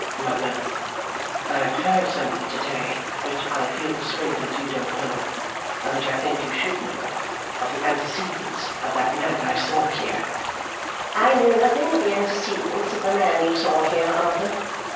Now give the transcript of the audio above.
'Mother, I have heard something to day which I feel persuaded you don't know, and which I think you should know, of the antecedents of that man I saw here.' 'I know nothing of the antecedents of the man you saw here, Arthur.